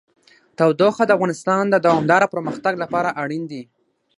تودوخه د افغانستان د دوامداره پرمختګ لپاره اړین دي.